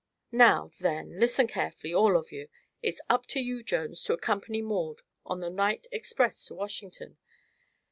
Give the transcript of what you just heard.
Now, then, listen carefully all of you! It's up to you, Jones, to accompany Maud on the night express to Washington.